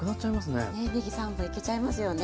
ねえねぎ３本いけちゃいますよね。